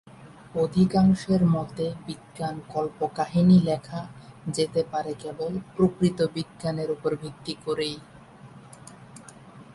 অধিকাংশের মতে বিজ্ঞান কল্পকাহিনী লেখা যেতে পারে কেবল প্রকৃত বিজ্ঞানের উপর ভিত্তি করেই।